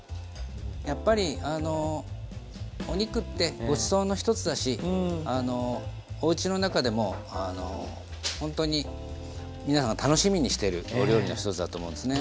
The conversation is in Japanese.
やっぱりあのお肉ってごちそうの一つだしおうちの中でもほんとに皆さんが楽しみにしてるお料理の一つだと思うんですね。